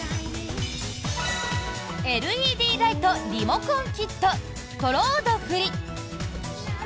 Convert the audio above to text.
ＬＥＤライトリモコンキットトロードフリ。